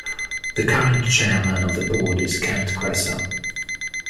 The current Chairman of the Board is Kent Kresa.